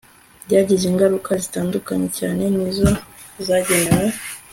byagize ingaruka zitandukanye cyane nizo zagenewe